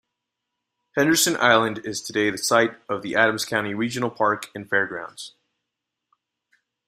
Henderson Island is today the site of the Adams County Regional Park and Fairgrounds.